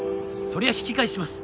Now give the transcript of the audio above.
そりゃ引き返します。